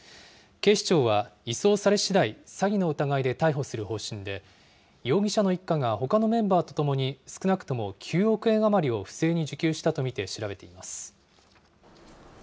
警視庁は、移送されしだい、詐欺の疑いで逮捕する方針で、容疑者の一家がほかのメンバーと共に、少なくとも９億円余りを不正に受給したと見て調べています。